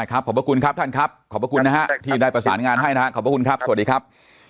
ได้ครับขอบคุณครับท่านครับขอบคุณนะฮะที่ได้ประสานงานให้นะฮะขอบคุณครับสวัสดีครับ